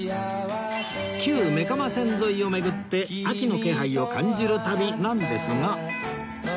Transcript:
旧目蒲線沿いを巡って秋の気配を感じる旅なんですが